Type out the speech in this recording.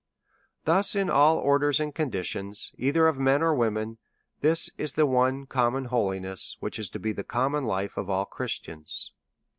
Thus, in all orders and conditions, either of men or women, this is the one common holiness which is to be the common life of all Christians.